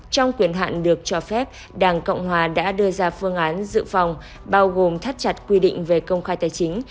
trong quyền hạn được cho phép đảng cộng hòa đã đưa ra phương án dự phòng bao gồm thắt chặt quy định về công khai tài chính